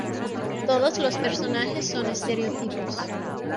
Todos los personajes son estereotipos.